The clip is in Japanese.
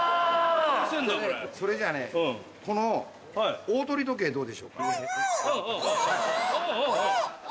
それじゃあこのオオトリ時計どうでしょうか？